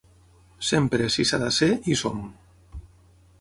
Sempre, si s’hi ha de ser, hi som.